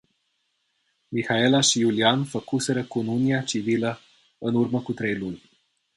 Mihaela și Iulian făcuseră cununia civilă în urmă cu trei luni.